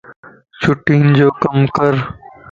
چھڻين جو ڪم ڪر